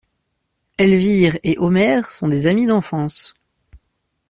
Elvire et Omer sont des amis d'enfance!